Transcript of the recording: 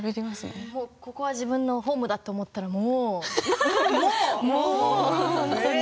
ここは自分のホームだと思ったらもう。